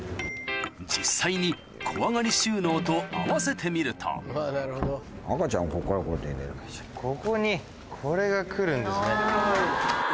実際に小上がり収納と合わせてみるとここにこれが来るんですね。